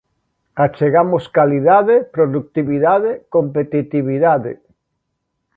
Achegamos calidade, produtividade, competitividade.